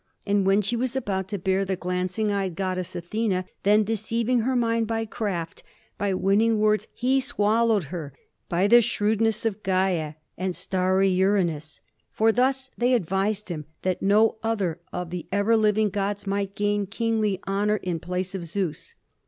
But when she was about to bear the glancing eyed goddess Athena, then deceiving her mind by craft, by winning words, he swallowed her, by the shrewdness of Gaia and starry Uranus, for thus they advised him, that no other of the ever living gods might gain kingly honor in place of Zeus.